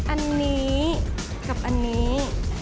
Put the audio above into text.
อันนี้กับอันนี้